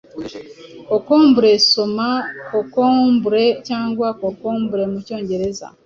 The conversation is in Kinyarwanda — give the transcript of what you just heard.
Cocombre soma kokombure cg cucumber mu cyongereza,